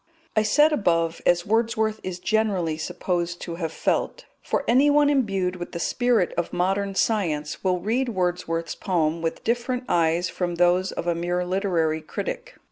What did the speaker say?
I said above, "as Wordsworth is generally supposed to have felt"; for anyone imbued with the spirit of modern science will read Wordsworth's poem with different eyes from those of a mere literary critic.